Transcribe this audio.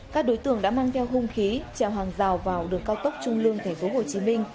các đối tượng đã mang theo hung khí trèo hàng rào vào đường cao tốc trung lương tp hcm